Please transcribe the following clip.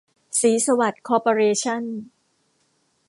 ศรีสวัสดิ์ คอร์ปอเรชั่น